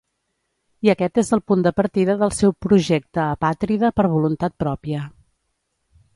I aquest és el punt de partida del seu projecte Apàtrida per voluntat pròpia.